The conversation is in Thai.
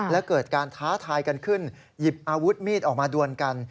และเกิดการท้าทายกันขึ้นหยิบอาวุธมีดออกมาดวนกัน